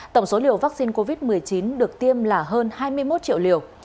tổng số liều vaccine covid một mươi chín được tiêm là hơn hai mươi một triệu liều